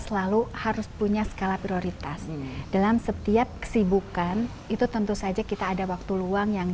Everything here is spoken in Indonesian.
selalu harus punya skala prioritas dalam setiap kesibukan itu tentu saja kita ada waktu luang yang